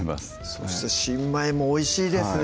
そして新米もおいしいですね